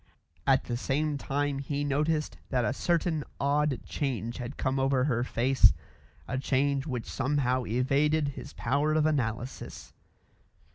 At the same time he noticed that a certain odd change had come over her face, a change which somehow evaded his power of analysis.